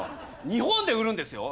日本で売るんですよ？